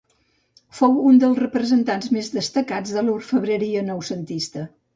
Fou un dels representants més destacats de l'orfebreria Noucentista.